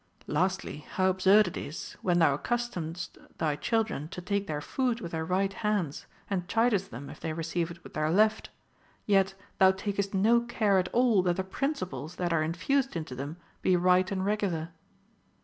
Lastly, how absurd it is, when thou accustomest thy children to take their food with their right hands, and chidest them if they receive it with their left, yet thou takest no care at all that the principles that are infused into them be right and regular.